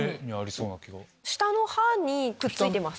下の歯にくっついてます。